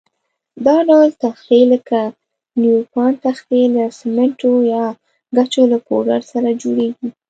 دا ډول تختې لکه نیوپان تختې له سمنټو یا ګچو له پوډر سره جوړېږي.